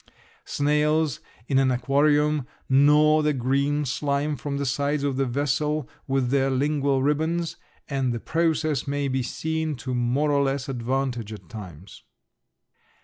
Snails in an aquarium gnaw the green slime from the sides of the vessel with their lingual ribbons, and the process may be seen to more or less advantage at times.